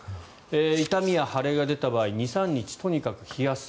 痛みや腫れが出た場合２３日とにかく冷やす。